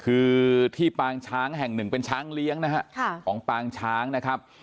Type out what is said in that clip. คือที่ปางช้างแห่งหนึ่งเป็นช้างเลี้ยงนะฮะของปางช้างนะครับ